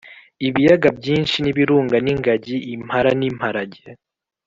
ibiyaga byinshi n'ibirunga n'ingagi, impara n'imparage